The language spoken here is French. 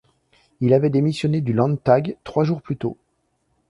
Il avait démissionné du Landtag trois jours plus tôt.